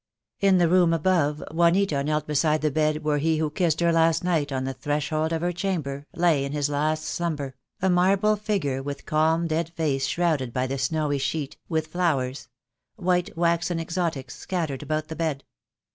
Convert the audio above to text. In the room above Juanita knelt beside the bed where he who kissed her last night on the threshold of her chamber lay in his last slumber, a marble figure with calm dead face shrouded by the snowy sheet, with flowers — white waxen exotics — scattered about the bed.